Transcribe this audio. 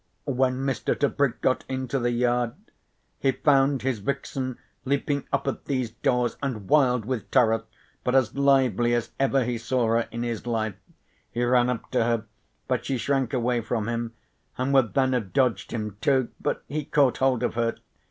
When Mr. Tebrick got into the yard he found his vixen leaping up at these doors, and wild with terror, but as lively as ever he saw her in his life. He ran up to her but she shrank away from him, and would then have dodged him too, but he caught hold of her.